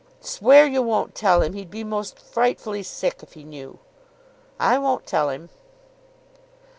"Swear you won't tell him. He'd be most frightfully sick if he knew." "I won't tell him."